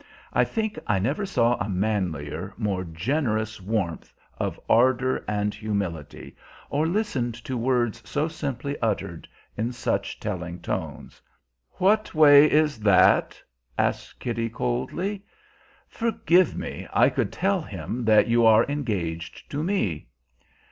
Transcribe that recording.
I think I never saw a manlier, more generous warmth of ardor and humility, or listened to words so simply uttered in such telling tones. "What way is that?" asked Kitty coldly. "Forgive me! I could tell him that you are engaged to me."